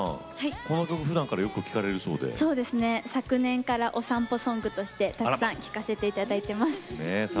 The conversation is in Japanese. この曲をふだんから昨年からお散歩ソングとしてたくさん聴かせていただいています。